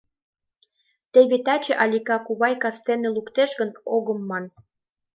Теве таче Алика кувай кастене луктеш гын, огым ман...